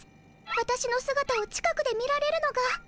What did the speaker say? わたしのすがたを近くで見られるのが。